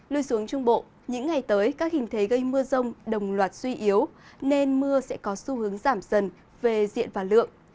lưu xuống trung bộ những ngày tới các hình thế gây mưa rông đồng loạt suy yếu nên mưa sẽ có xu hướng giảm dần về diện và lượng